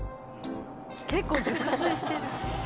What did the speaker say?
結構熟睡してる。